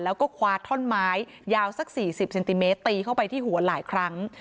แล้วก็คว้าท่อนไม้ยาวสัก๔๐เซนติเมตรตีเข้าไปที่หัวหลายครั้ง